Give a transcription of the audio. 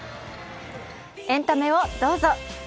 エンタメをどうぞ。